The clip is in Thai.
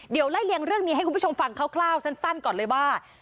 เดี๋ยวไล่เลี่ยงเรื่องนี้ให้คุณผู้ชมฟังคร่าวสั้นก่อนเลยว่า